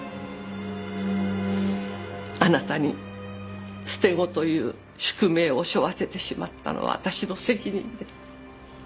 あなたに捨て子という宿命をしょわせてしまったのは私の責任です。